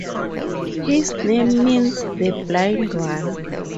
His name means "the blind one".